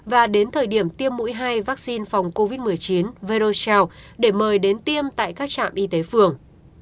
và đến thời điểm tiêm mũi hai vaccine phòng covid một mươi chín verocell để mời đến tiêm tại các trạm y tế phường